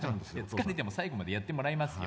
疲れても最後までやってもらいますよ。